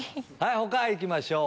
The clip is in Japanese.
他行きましょう！